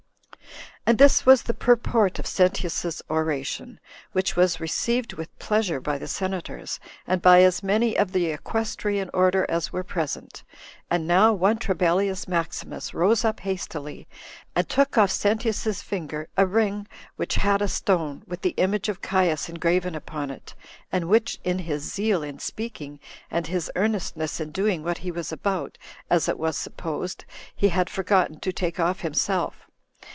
8 3. And this was the purport of Sentius's oration, 9 which was received with pleasure by the senators, and by as many of the equestrian order as were present. And now one Trebellius Maximus rose up hastily, and took off Sentius's finger a ring, which had a stone, with the image of Caius engraven upon it, and which, in his zeal in speaking, and his earnestness in doing what he was about, as it was supposed, he had forgotten to take off himself.